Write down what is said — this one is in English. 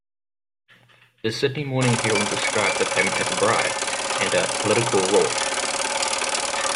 The "Sydney Morning Herald" described the payment as a "bribe" and a "political rort".